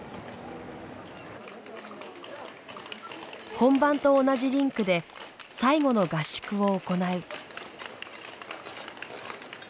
本番と同じリンクで最後の合宿を行う。